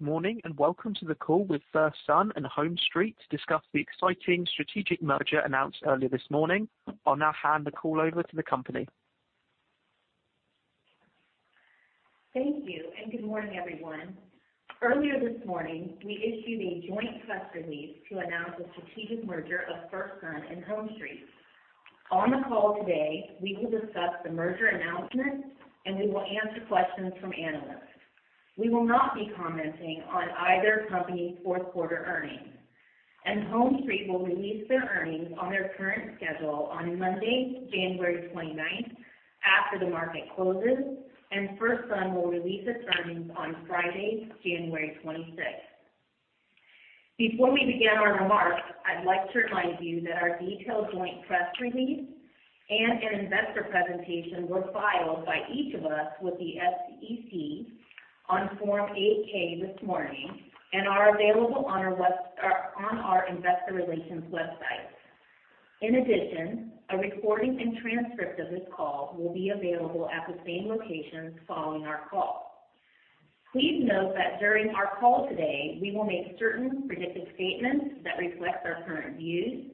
Good morning, and welcome to the call with FirstSun and HomeStreet to discuss the exciting strategic merger announced earlier this morning. I'll now hand the call over to the company. Thank you, and good morning, everyone. Earlier this morning, we issued a joint press release to announce the strategic merger of FirstSun and HomeStreet. On the call today, we will discuss the merger announcement, and we will answer questions from analysts. We will not be commenting on either company's fourth quarter earnings, and HomeStreet will release their earnings on their current schedule on Monday, January 29th, after the market closes, and FirstSun will release its earnings on Friday, January 26th. Before we begin our remarks, I'd like to remind you that our detailed joint press release and an investor presentation were filed by each of us with the SEC on Form 8-K this morning and are available on our investor relations website. In addition, a recording and transcript of this call will be available at the same location following our call. Please note that during our call today, we will make certain predictive statements that reflect our current views,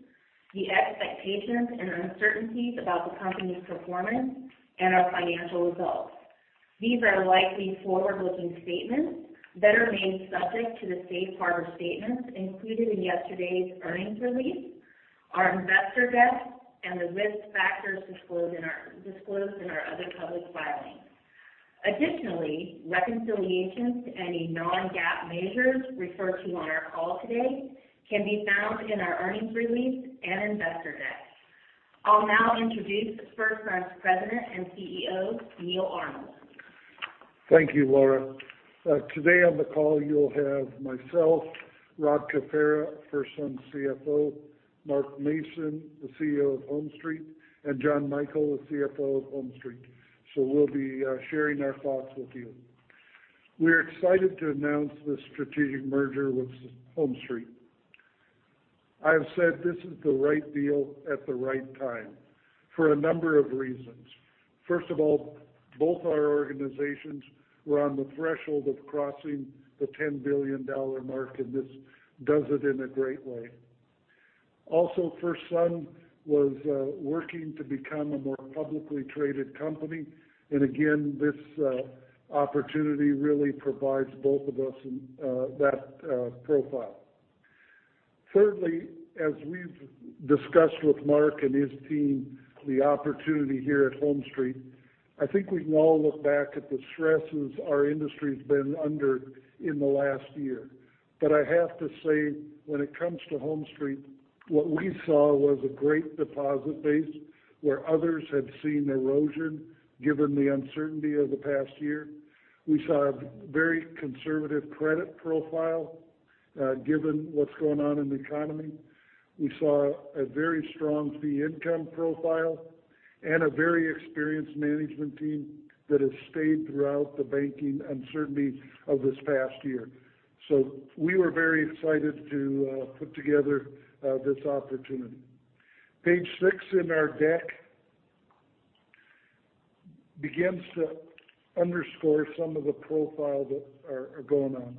the expectations and uncertainties about the company's performance, and our financial results. These are likely forward-looking statements that remain subject to the safe harbor statements included in yesterday's earnings release, our investor deck, and the risk factors disclosed in our, disclosed in our other public filings. Additionally, reconciliations to any non-GAAP measures referred to on our call today can be found in our earnings release and investor deck. I'll now introduce FirstSun's President and CEO, Neal Arnold. Thank you, Laura. Today on the call, you'll have myself, Rob Cafera, FirstSun's CFO, Mark Mason, the CEO of HomeStreet, and John Michel, the CFO of HomeStreet. So we'll be sharing our thoughts with you. We're excited to announce this strategic merger with HomeStreet. I have said this is the right deal at the right time for a number of reasons. First of all, both our organizations were on the threshold of crossing the $10 billion mark, and this does it in a great way. Also, FirstSun was working to become a more publicly traded company. And again, this opportunity really provides both of us, that profile. Thirdly, as we've discussed with Mark and his team, the opportunity here at HomeStreet, I think we can all look back at the stresses our industry's been under in the last year. But I have to say, when it comes to HomeStreet, what we saw was a great deposit base, where others had seen erosion, given the uncertainty of the past year. We saw a very conservative credit profile, given what's going on in the economy. We saw a very strong fee income profile and a very experienced management team that has stayed throughout the banking uncertainty of this past year. So we were very excited to put together this opportunity. Page six in our deck begins to underscore some of the profiles that are going on.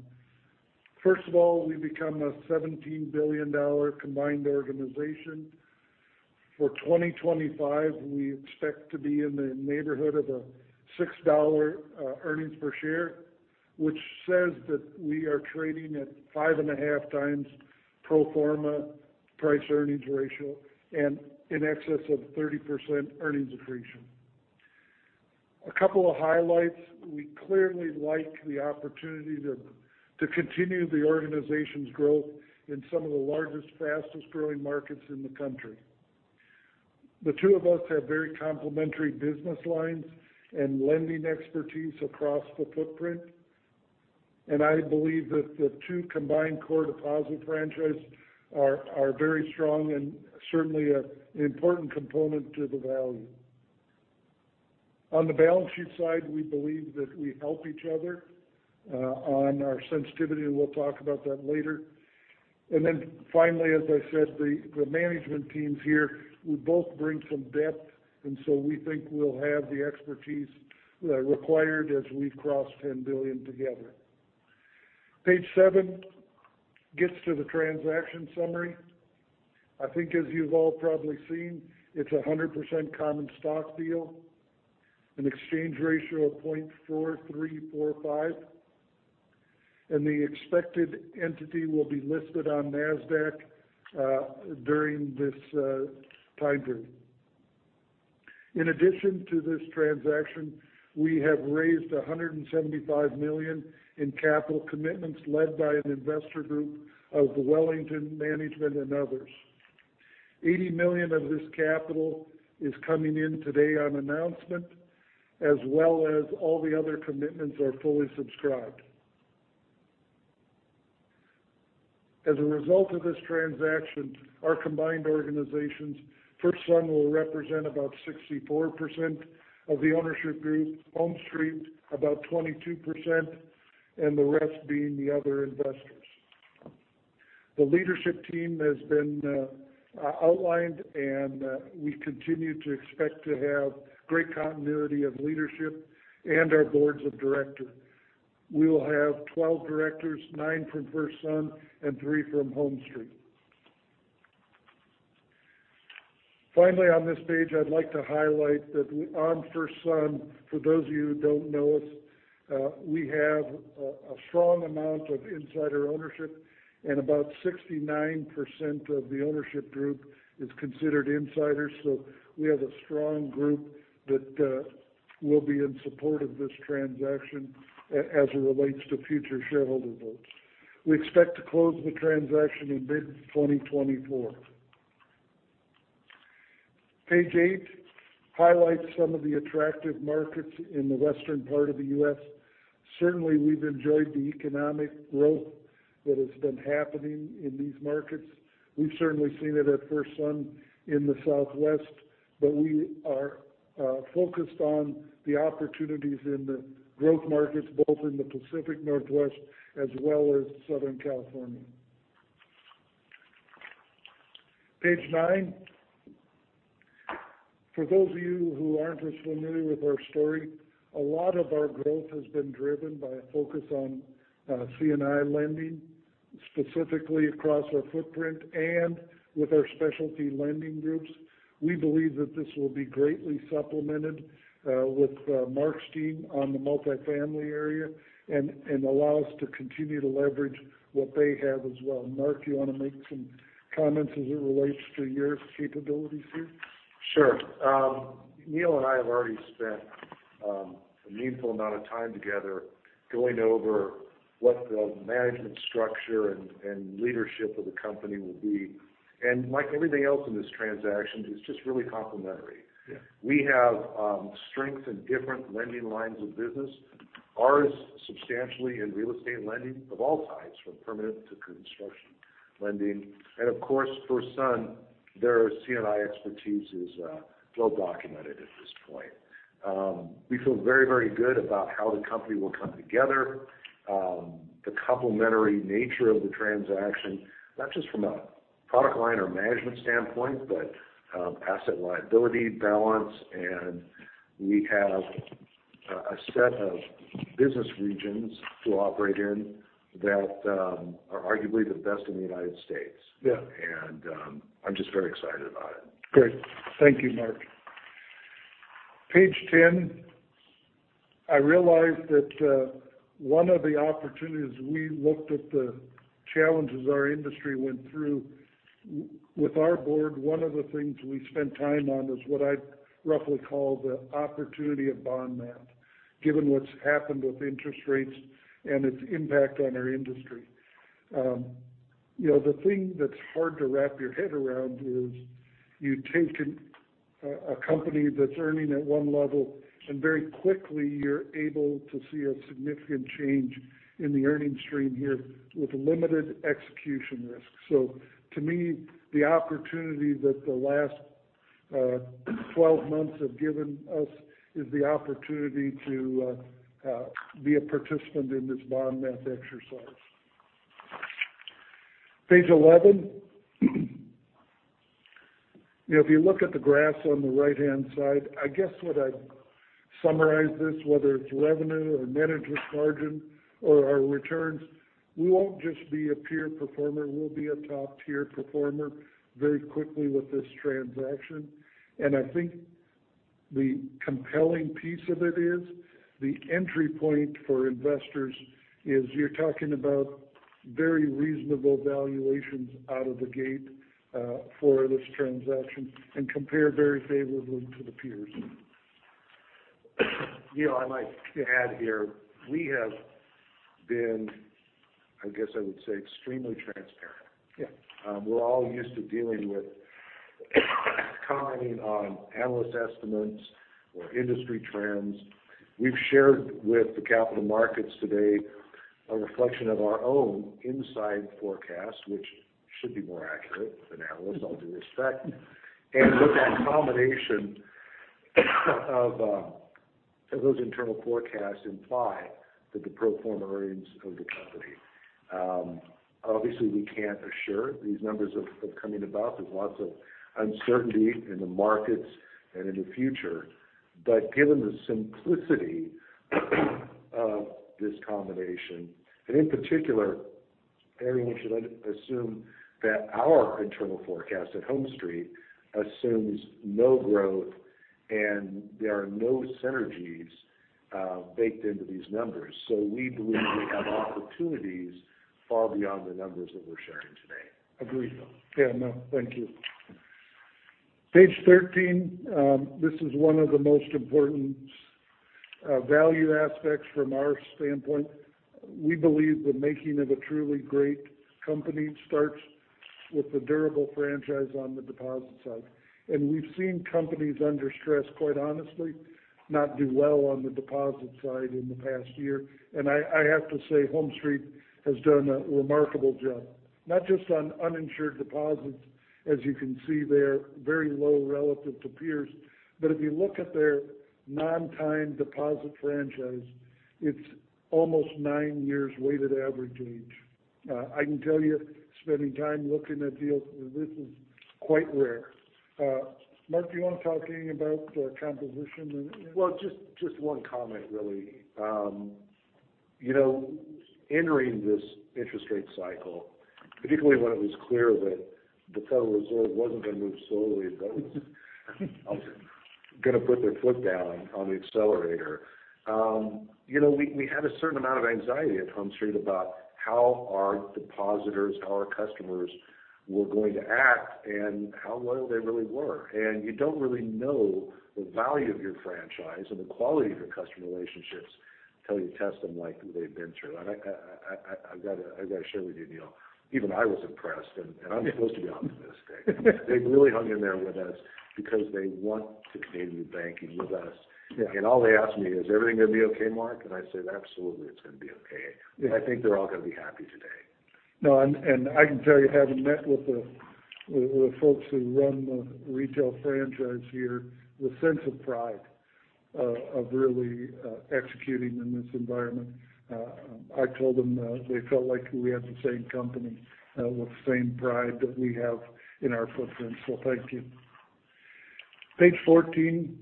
First of all, we become a $17 billion combined organization. For 2025, we expect to be in the neighborhood of $6 earnings per share, which says that we are trading at 5.5x pro forma price earnings ratio and in excess of 30% earnings accretion. A couple of highlights. We clearly like the opportunity to continue the organization's growth in some of the largest, fastest-growing markets in the country. The two of us have very complementary business lines and lending expertise across the footprint, and I believe that the two combined core deposit franchises are very strong and certainly an important component to the value. On the balance sheet side, we believe that we help each other on our sensitivity, and we'll talk about that later. And then finally, as I said, the management teams here, we both bring some depth, and so we think we'll have the expertise required as we cross 10 billion together. Page seven gets to the transaction summary. I think as you've all probably seen, it's a 100% common stock deal, an exchange ratio of 0.4345, and the expected entity will be listed on NASDAQ during this time frame. In addition to this transaction, we have raised $175 million in capital commitments led by an investor group of the Wellington Management and others. $80 million of this capital is coming in today on announcement, as well as all the other commitments are fully subscribed. As a result of this transaction, our combined organizations, FirstSun, will represent about 64% of the ownership group, HomeStreet, about 22%, and the rest being the other investors. The leadership team has been outlined, and we continue to expect to have great continuity of leadership and our boards of directors. We will have 12 directors, nine from FirstSun and three from HomeStreet. Finally, on this page, I'd like to highlight that on FirstSun, for those of you who don't know us, we have a strong amount of insider ownership and about 69% of the ownership group is considered insiders. So we have a strong group that will be in support of this transaction as it relates to future shareholder votes. We expect to close the transaction in mid-2024. Page eight highlights some of the attractive markets in the western part of the U.S. Certainly, we've enjoyed the economic growth that has been happening in these markets. We've certainly seen it at FirstSun in the Southwest, but we are focused on the opportunities in the growth markets, both in the Pacific Northwest as well as Southern California. Page nine. For those of you who aren't as familiar with our story, a lot of our growth has been driven by a focus on C&I lending, specifically across our footprint and with our specialty lending groups. We believe that this will be greatly supplemented with Mark's team on the multifamily area and, and allow us to continue to leverage what they have as well. Mark, do you want to make some comments as it relates to your capabilities here? Sure. Neal and I have already spent a meaningful amount of time together going over what the management structure and leadership of the company will be. And like everything else in this transaction, it's just really complementary. Yeah. We have strength in different lending lines of business, ours substantially in real estate lending of all types, from permanent to construction lending. Of course, FirstSun, their C&I expertise is well documented at this point. We feel very, very good about how the company will come together, the complementary nature of the transaction, not just from a product line or management standpoint, but asset liability balance. We have a set of business regions to operate in that are arguably the best in the United States. Yeah. I'm just very excited about it. Great. Thank you, Mark. Page ten. I realize that one of the opportunities we looked at the challenges our industry went through, with our board, one of the things we spent time on is what I'd roughly call the opportunity of bond math, given what's happened with interest rates and its impact on our industry. You know, the thing that's hard to wrap your head around is you take a company that's earning at one level, and very quickly, you're able to see a significant change in the earning stream here with limited execution risk. So to me, the opportunity that the last 12 months have given us is the opportunity to be a participant in this bond math exercise. Page eleven. If you look at the graphs on the right-hand side, I guess what I'd summarize this, whether it's revenue or net interest margin or our returns, we won't just be a peer performer, we'll be a top-tier performer very quickly with this transaction. And I think the compelling piece of it is, the entry point for investors is you're talking about very reasonable valuations out of the gate, for this transaction and compare very favorably to the peers. Neal, I might add here, we have been, I guess I would say, extremely transparent. Yeah. We're all used to dealing with commenting on analyst estimates or industry trends. We've shared with the capital markets today a reflection of our own inside forecast, which should be more accurate than analysts, all due respect. And what that combination of those internal forecasts imply that the pro forma earnings of the company. Obviously, we can't assure these numbers of coming about. There's lots of uncertainty in the markets and in the future. But given the simplicity of this combination, and in particular, everyone should understand that our internal forecast at HomeStreet assumes no growth and there are no synergies baked into these numbers. So we believe we have opportunities far beyond the numbers that we're sharing today. Agreed. Yeah, no, thank you. Page 13, this is one of the most important value aspects from our standpoint. We believe the making of a truly great company starts with a durable franchise on the deposit side. And we've seen companies under stress, quite honestly, not do well on the deposit side in the past year. And I have to say HomeStreet has done a remarkable job, not just on uninsured deposits, as you can see, they're very low relative to peers. But if you look at their non-time deposit franchise, it's almost nine years weighted average age. I can tell you, spending time looking at deals, this is quite rare. Mark, do you want to talk anything about the composition and- Well, just, just one comment, really. You know, entering this interest rate cycle, particularly when it was clear that the Federal Reserve wasn't going to move slowly, but was going to put their foot down on the accelerator. You know, we had a certain amount of anxiety at HomeStreet about how our depositors, our customers, were going to act and how well they really were. And you don't really know the value of your franchise and the quality of your customer relationships until you test them like they've been through. And I've got to share with you, Neal, even I was impressed, and I'm supposed to be optimistic. They really hung in there with us because they want to continue banking with us. Yeah. All they ask me is, "Is everything going to be okay, Mark?" And I said, "Absolutely, it's going to be okay. Yeah. I think they're all going to be happy today. No, I can tell you, having met with the folks who run the retail franchise here, the sense of pride of really executing in this environment, I told them, they felt like we had the same company with the same pride that we have in our footprint. So thank you. Page 14,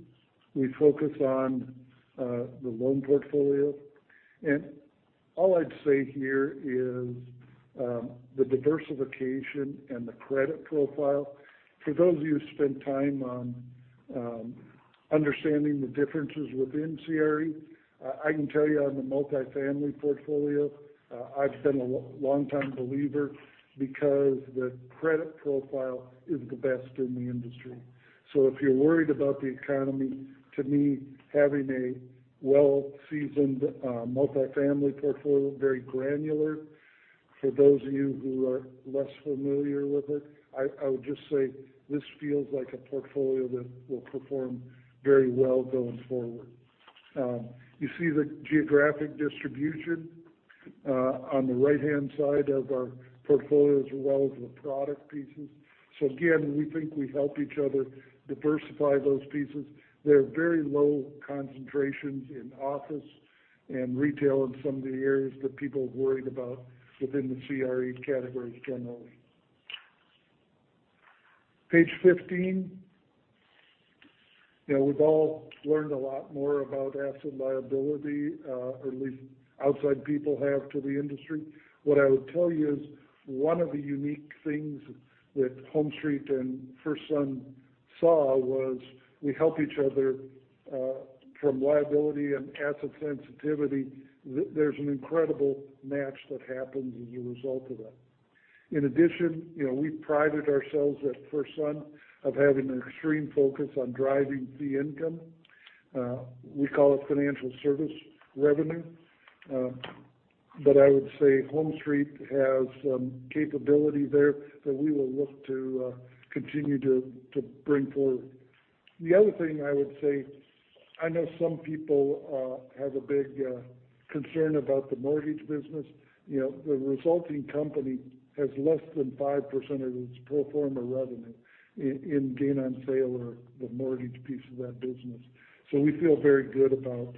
we focus on the loan portfolio. All I'd say here is the diversification and the credit profile. For those of you who spent time on understanding the differences within CRE, I can tell you on the multifamily portfolio, I've been a long time believer because the credit profile is the best in the industry. So if you're worried about the economy, to me, having a well-seasoned multifamily portfolio, very granular. For those of you who are less familiar with it, I, I would just say this feels like a portfolio that will perform very well going forward. You see the geographic distribution, on the right-hand side of our portfolio, as well as the product pieces. So again, we think we help each other diversify those pieces. There are very low concentrations in office and retail in some of the areas that people have worried about within the CRE categories generally. Page 15. You know, we've all learned a lot more about asset liability, at least outside people have to the industry. What I would tell you is, one of the unique things that HomeStreet and FirstSun saw was, we help each other, from liability and asset sensitivity. There's an incredible match that happens as a result of that. In addition, you know, we prided ourselves at FirstSun of having an extreme focus on driving fee income. We call it financial service revenue. But I would say HomeStreet has some capability there that we will look to continue to bring forward. The other thing I would say, I know some people have a big concern about the mortgage business. You know, the resulting company has less than 5% of its pro forma revenue in gain on sale or the mortgage piece of that business. So we feel very good about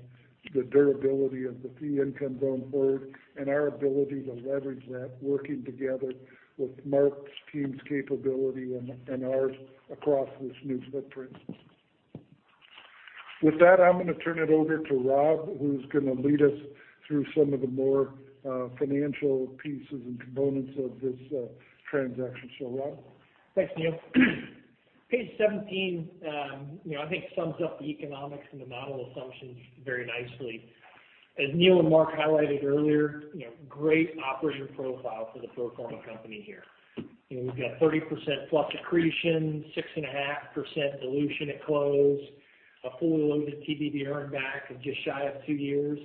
the durability of the fee income going forward, and our ability to leverage that, working together with Mark's team's capability and ours across this new footprint. With that, I'm going to turn it over to Rob, who's going to lead us through some of the more financial pieces and components of this transaction. So, Rob? Thanks, Neal. Page 17, you know, I think sums up the economics and the model assumptions very nicely. As Neal and Mark highlighted earlier, you know, great operation profile for the pro forma company here. You know, we've got 30%+ accretion, 6.5% dilution at close, a fully loaded TBV earn back of just shy of two years.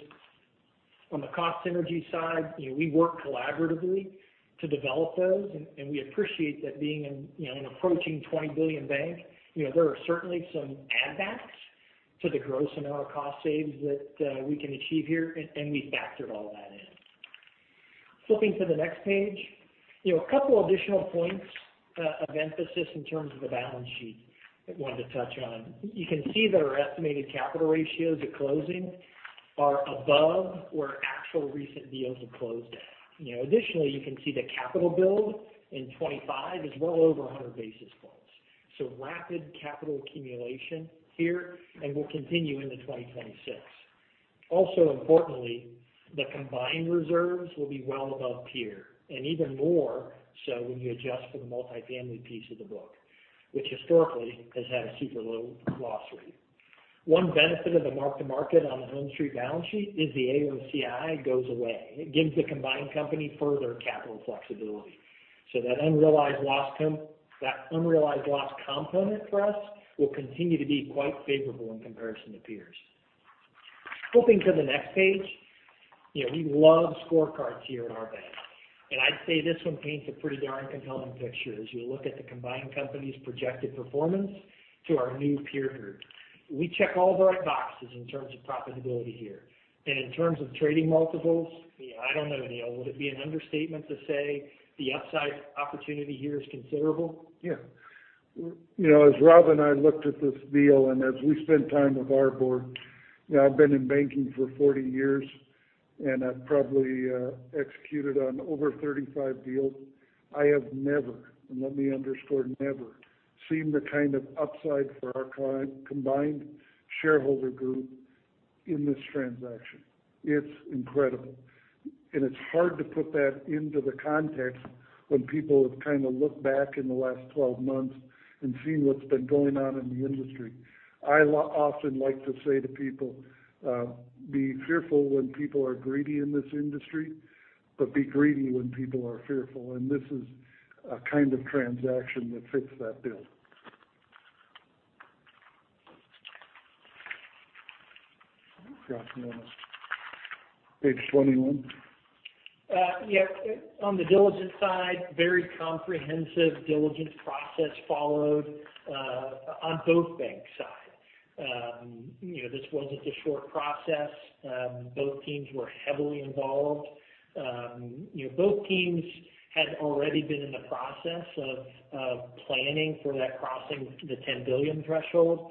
On the cost synergy side, you know, we worked collaboratively to develop those, and, and we appreciate that being an, you know, an approaching $20 billion bank, you know, there are certainly some add backs to the gross amount of cost savings that we can achieve here, and, and we factored all that in. Flipping to the next page. You know, a couple additional points of emphasis in terms of the balance sheet, I wanted to touch on. You can see that our estimated capital ratios at closing are above where actual recent deals have closed at. You know, additionally, you can see the capital build in 2025 is well over 100 basis points. So rapid capital accumulation here, and will continue into 2026. Also, importantly, the combined reserves will be well above peer, and even more so when you adjust for the multifamily piece of the book, which historically has had a super low loss rate. One benefit of the mark to market on the HomeStreet balance sheet is the AOCI goes away. It gives the combined company further capital flexibility. So that unrealized loss component for us, will continue to be quite favorable in comparison to peers. Flipping to the next page. You know, we love scorecards here at our bank, and I'd say this one paints a pretty darn compelling picture as you look at the combined company's projected performance to our new peer group. We check all the right boxes in terms of profitability here. In terms of trading multiples... I don't know, Neal, would it be an understatement to say the upside opportunity here is considerable? Yeah. You know, as Rob and I looked at this deal, and as we spent time with our board, you know, I've been in banking for 40 years, and I've probably executed on over 35 deals. I have never, and let me underscore, never seen the kind of upside for our client- combined shareholder group in this transaction. It's incredible. And it's hard to put that into the context when people have kind of looked back in the last 12 months and seen what's been going on in the industry. I often like to say to people, be fearful when people are greedy in this industry, but be greedy when people are fearful. And this is a kind of transaction that fits that bill. Forgot Page 21. Yeah, on the diligence side, very comprehensive diligence process followed on both bank sides. You know, this wasn't a short process. Both teams were heavily involved. You know, both teams had already been in the process of planning for that crossing the $10 billion threshold.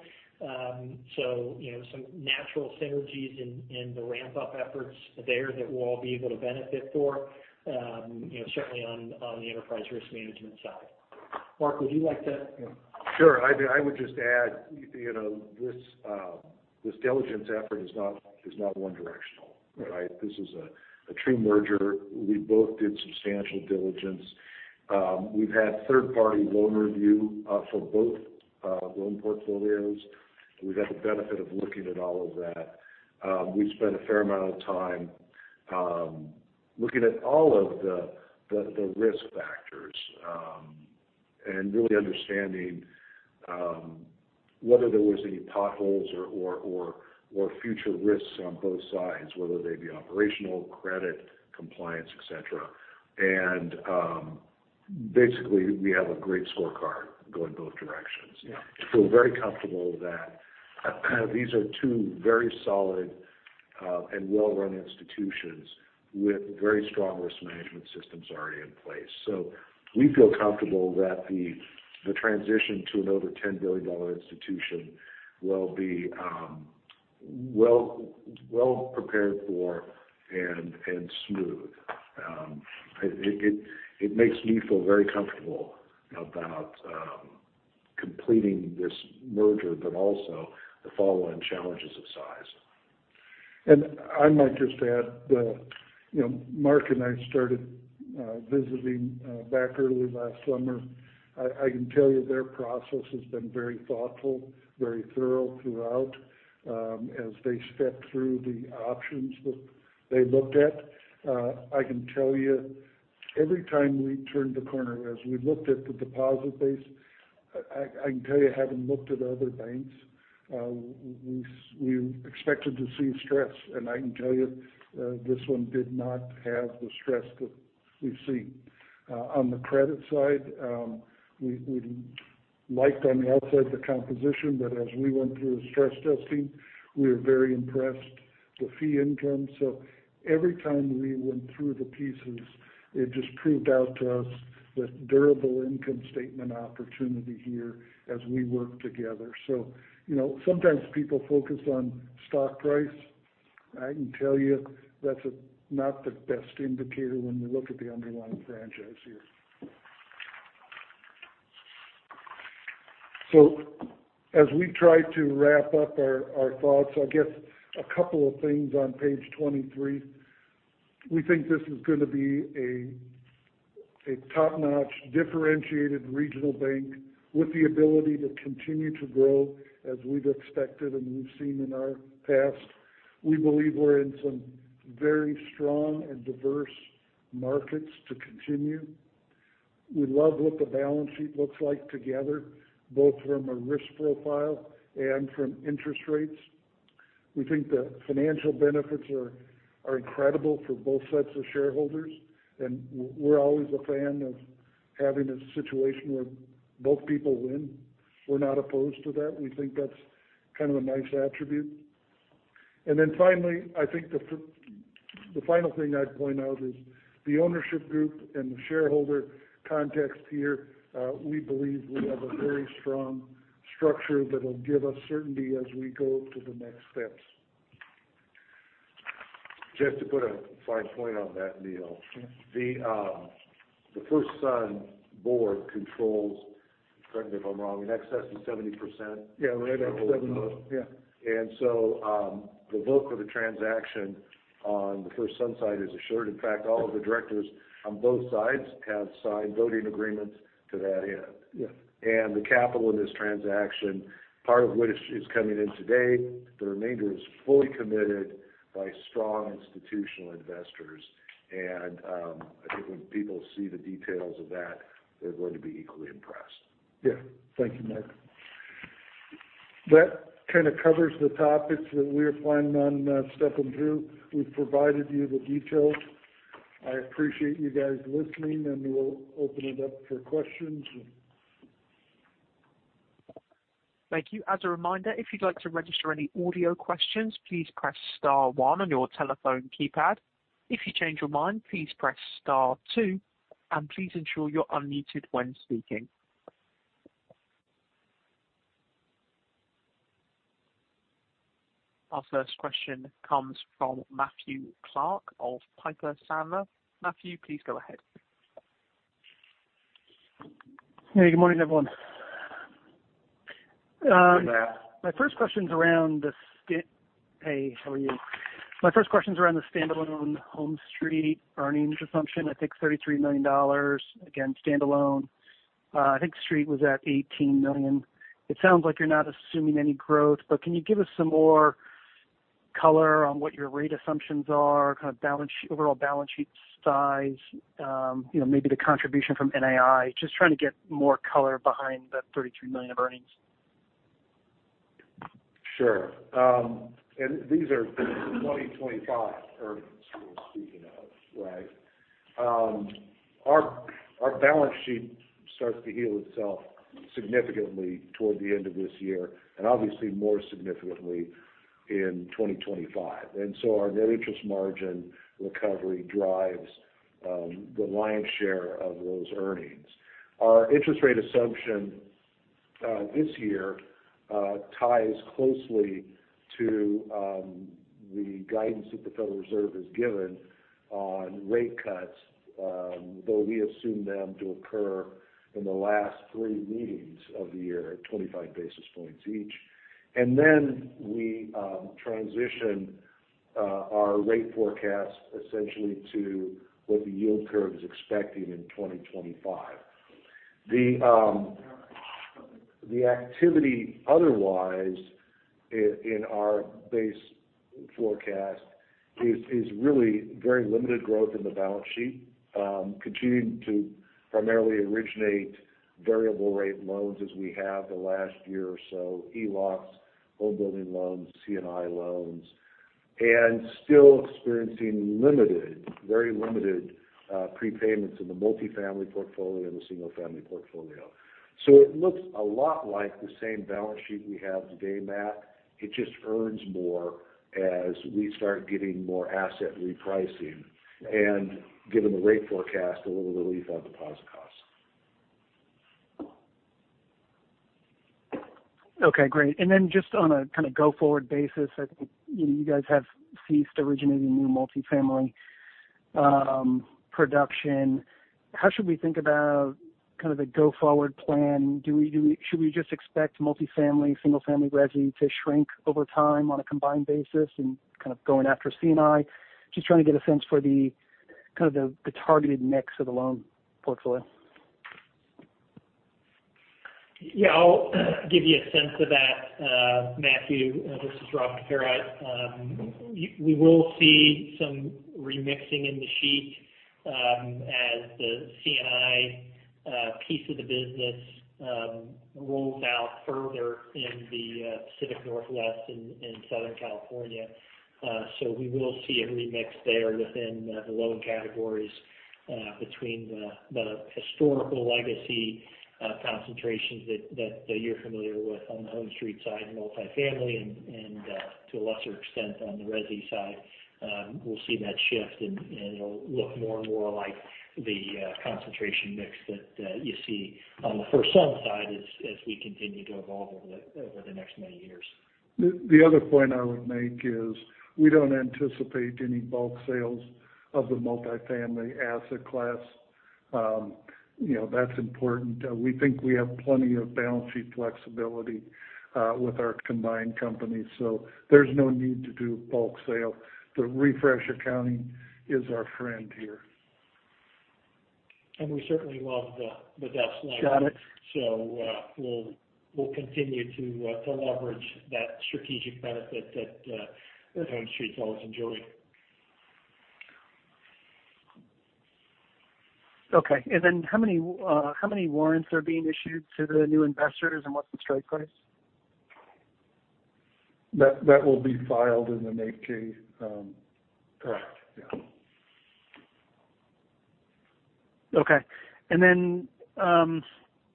So, you know, some natural synergies in the ramp-up efforts there that we'll all be able to benefit for, you know, certainly on the enterprise risk management side. Mark, would you like to? Sure. I'd just add, you know, this diligence effort is not one directional, right? This is a true merger. We both did substantial diligence. We've had third-party loan review for both loan portfolios. We've had the benefit of looking at all of that. We spent a fair amount of time looking at all of the risk factors and really understanding whether there was any potholes or future risks on both sides, whether they be operational, credit, compliance, et cetera. And basically, we have a great scorecard going both directions. Yeah. So we're very comfortable that these are two very solid and well-run institutions with very strong risk management systems already in place. So we feel comfortable that the transition to an over $10 billion institution will be well prepared for and smooth. It makes me feel very comfortable about completing this merger, but also the following challenges of size. I might just add, you know, Mark and I started visiting back early last summer. I can tell you their process has been very thoughtful, very thorough throughout, as they stepped through the options that they looked at. I can tell you, every time we turned the corner, as we looked at the deposit base, I can tell you, having looked at other banks, we expected to see stress, and I can tell you, this one did not have the stress that we've seen. On the credit side, we liked, on the outside, the composition, but as we went through the stress testing, we were very impressed with fee income. So every time we went through the pieces, it just proved out to us the durable income statement opportunity here as we work together. So, you know, sometimes people focus on stock price. I can tell you that's not the best indicator when you look at the underlying franchise here. So as we try to wrap up our thoughts, I guess a couple of things on page 23. We think this is going to be a top-notch, differentiated regional bank with the ability to continue to grow as we've expected and we've seen in our past. We believe we're in some very strong and diverse markets to continue. We love what the balance sheet looks like together, both from a risk profile and from interest rates. We think the financial benefits are incredible for both sets of shareholders, and we're always a fan of having a situation where both people win. We're not opposed to that. We think that's kind of a nice attribute. Then finally, I think the final thing I'd point out is the ownership group and the shareholder context here, we believe we have a very strong structure that'll give us certainty as we go to the next steps. Just to put a fine point on that, Neal. Sure. The FirstSun Board controls, correct me if I'm wrong, in excess of 70%? Yeah, right at seven... Yeah. The vote for the transaction on the FirstSun side is assured. In fact, all of the directors on both sides have signed voting agreements to that end. Yeah. The capital in this transaction, part of which is coming in today, the remainder is fully committed by strong institutional investors. I think when people see the details of that, they're going to be equally impressed. Yeah. Thank you, Mark. That kind of covers the topics that we were planning on stepping through. We've provided you the details. I appreciate you guys listening, and we'll open it up for questions and...... Thank you. As a reminder, if you'd like to register any audio questions, please press star one on your telephone keypad. If you change your mind, please press star two, and please ensure you're unmuted when speaking. Our first question comes from Matthew Clark of Piper Sandler. Matthew, please go ahead. Hey, good morning, everyone. Good morning. My first question is around the standalone HomeStreet earnings assumption. Hey, how are you? I think $33 million, again, standalone. I think Street was at $18 million. It sounds like you're not assuming any growth, but can you give us some more color on what your rate assumptions are, kind of balance, overall balance sheet size, you know, maybe the contribution from NII? Just trying to get more color behind the $33 million of earnings. Sure. And these are the 2025 earnings we're speaking of, right? Our balance sheet starts to heal itself significantly toward the end of this year, and obviously more significantly in 2025. And so our net interest margin recovery drives the lion's share of those earnings. Our interest rate assumption this year ties closely to the guidance that the Federal Reserve has given on rate cuts, though we assume them to occur in the last three meetings of the year at 25 basis points each. And then we transition our rate forecast essentially to what the yield curve is expecting in 2025. The activity otherwise in our base forecast is really very limited growth in the balance sheet, continuing to primarily originate variable rate loans as we have the last year or so, HELOCs, homebuilding loans, C&I loans, and still experiencing limited, very limited, prepayments in the multifamily portfolio and the single-family portfolio. So it looks a lot like the same balance sheet we have today, Matt. It just earns more as we start getting more asset repricing and given the rate forecast, a little relief on deposit costs. Okay, great. And then just on a kind of go-forward basis, I think you guys have ceased originating new multifamily production. How should we think about kind of the go-forward plan? Do we- should we just expect multifamily, single family resi to shrink over time on a combined basis and kind of going after C&I? Just trying to get a sense for the kind of the targeted mix of the loan portfolio. Yeah, I'll give you a sense of that, Matthew. This is Rob Cafera. We will see some remixing in the sheet, as the C&I piece of the business rolls out further in the Pacific Northwest and Southern California. So we will see a remix there within the loan categories, between the historical legacy concentrations that you're familiar with on the HomeStreet side, multifamily and, to a lesser extent on the resi side. We'll see that shift and it'll look more and more like the concentration mix that you see on the FirstSun side as we continue to evolve over the next many years. The other point I would make is we don't anticipate any bulk sales of the multifamily asset class. You know, that's important. We think we have plenty of balance sheet flexibility with our combined companies, so there's no need to do bulk sale. The refresh accounting is our friend here. We certainly love the depth line. Got it. So, we'll continue to leverage that strategic benefit that HomeStreet's always enjoyed. Okay. And then how many warrants are being issued to the new investors, and what's the strike price? That, that will be filed in an 8-K, correct. Yeah. Okay. And then, can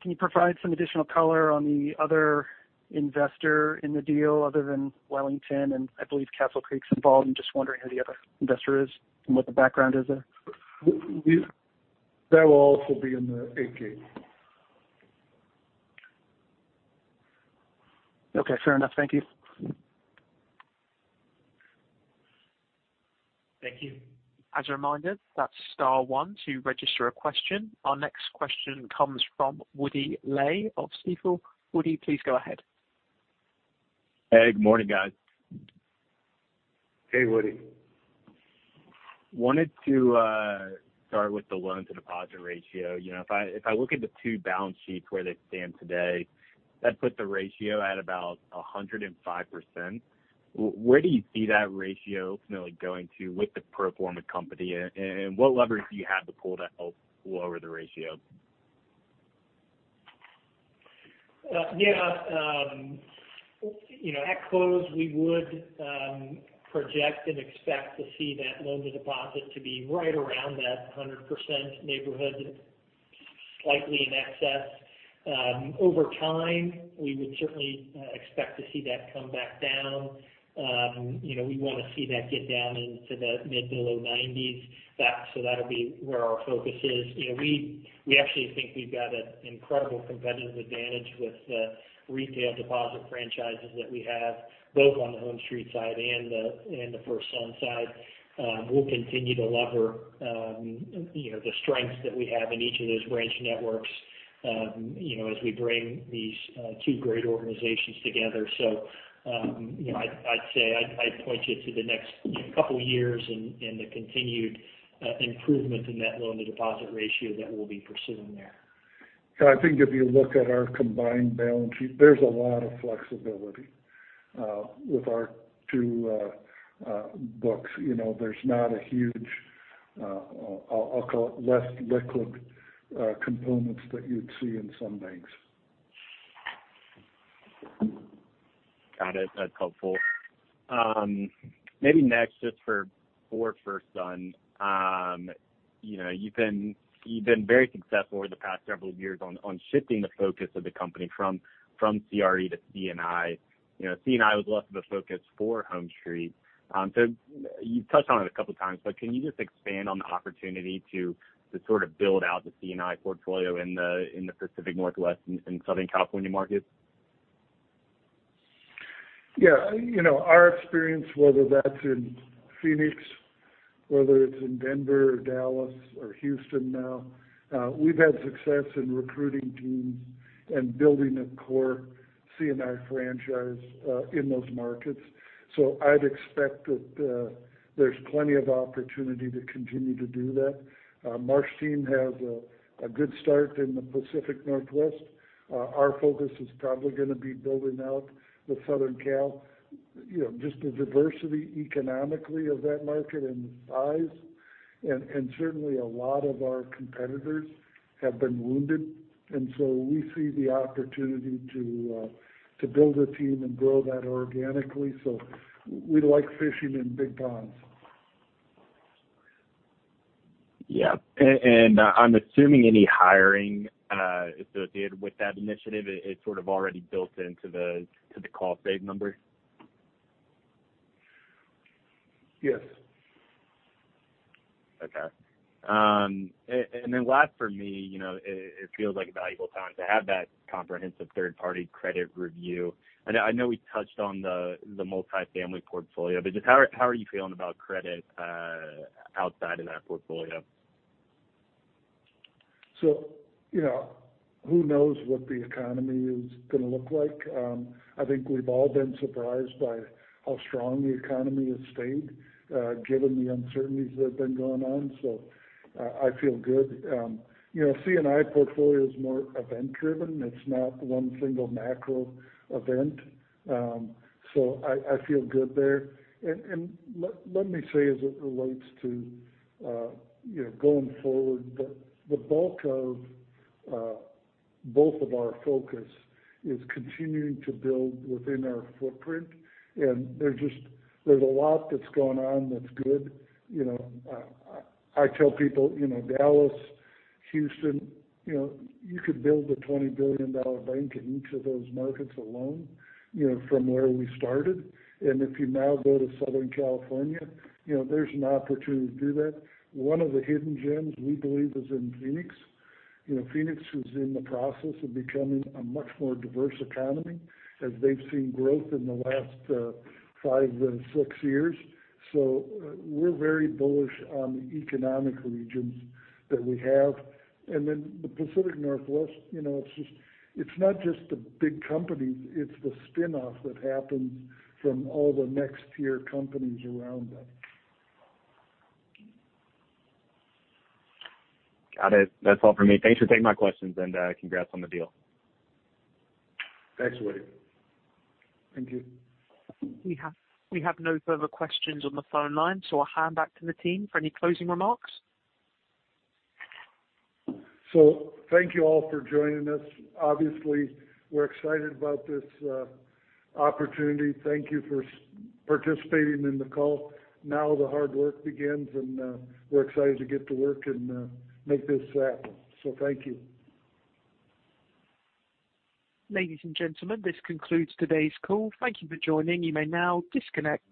you provide some additional color on the other investor in the deal other than Wellington? And I believe Castle Creek is involved. I'm just wondering who the other investor is and what the background is there. That will also be in the 8-K. Okay, fair enough. Thank you. Thank you. As a reminder, that's star one to register a question. Our next question comes from Woody Lay of Stifel. Woody, please go ahead. Hey, good morning, guys. Hey, Woody. Wanted to start with the loan-to-deposit ratio. You know, if I, if I look at the two balance sheets where they stand today, that puts the ratio at about 105%. Where do you see that ratio ultimately going to with the pro forma company, and what leverage do you have to pull to help lower the ratio? Yeah, you know, at close, we would project and expect to see that loan-to-deposit to be right around that 100% neighborhood, slightly in excess. Over time, we would certainly expect to see that come back down. You know, we want to see that get down into the mid- to low 90s. So that'll be where our focus is. You know, we actually think we've got an incredible competitive advantage with the retail deposit franchises that we have, both on the HomeStreet side and the FirstSun side. We'll continue to leverage, you know, the strengths that we have in each of those branch networks, you know, as we bring these two great organizations together. you know, I'd say, I'd point you to the next couple of years and the continued improvement in that loan-to-deposit ratio that we'll be pursuing there. I think if you look at our combined balance sheet, there's a lot of flexibility with our two books. You know, there's not a huge, I'll call it, less liquid components that you'd see in some banks. Got it. That's helpful. Maybe next, just for FirstSun, you know, you've been very successful over the past several years on shifting the focus of the company from CRE to C&I. You know, C&I was less of a focus for HomeStreet. So you've touched on it a couple of times, but can you just expand on the opportunity to sort of build out the C&I portfolio in the Pacific Northwest and Southern California markets? Yeah, you know, our experience, whether that's in Phoenix, whether it's in Denver or Dallas or Houston now, we've had success in recruiting teams and building a core C&I franchise in those markets. So I'd expect that there's plenty of opportunity to continue to do that. Mark's team has a good start in the Pacific Northwest. Our focus is probably going to be building out the Southern Cal. You know, just the diversity economically of that market and the size, and certainly a lot of our competitors have been wounded, and so we see the opportunity to build a team and grow that organically. So we like fishing in big ponds. Yeah. And I'm assuming any hiring associated with that initiative, it's sort of already built into the cost save numbers? Yes. Okay. And then last for me, you know, it feels like a valuable time to have that comprehensive third-party credit review. I know we touched on the multifamily portfolio, but just how are you feeling about credit outside of that portfolio? So, you know, who knows what the economy is going to look like? I think we've all been surprised by how strong the economy has stayed, given the uncertainties that have been going on. So I feel good. You know, C&I portfolio is more event driven. It's not one single macro event. So I feel good there. And let me say, as it relates to, you know, going forward, the bulk of both of our focus is continuing to build within our footprint, and there's just, there's a lot that's going on that's good. You know, I tell people, you know, Dallas, Houston, you know, you could build a $20 billion bank in each of those markets alone, you know, from where we started. And if you now go to Southern California, you know, there's an opportunity to do that. One of the hidden gems we believe is in Phoenix. You know, Phoenix is in the process of becoming a much more diverse economy, as they've seen growth in the last 5 and 6 years. So we're very bullish on the economic regions that we have. And then the Pacific Northwest, you know, it's just, it's not just the big companies, it's the spin-off that happens from all the next tier companies around them. Got it. That's all for me. Thanks for taking my questions, and congrats on the deal. Thanks, Woody. Thank you. We have no further questions on the phone line, so I'll hand back to the team for any closing remarks. So thank you all for joining us. Obviously, we're excited about this opportunity. Thank you for participating in the call. Now the hard work begins, and we're excited to get to work and make this happen. So thank you. Ladies and gentlemen, this concludes today's call. Thank you for joining. You may now disconnect.